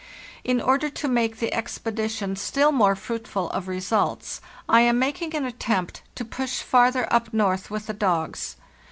In order to make the expedition still more fruitful of results, 1 am making an attempt to push farther up north with the dogs.